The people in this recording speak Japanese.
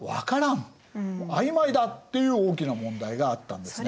あいまいだっていう大きな問題があったんですね。